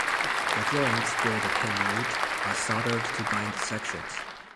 The joints where the came meet are soldered to bind the sections.